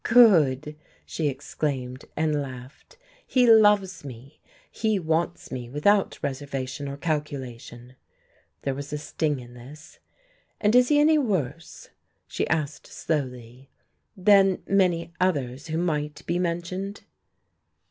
"Good!" she exclaimed, and laughed. "He loves me. He wants me without reservation or calculation." There was a sting in this. "And is he any worse," she asked slowly, "than many others who might be mentioned?"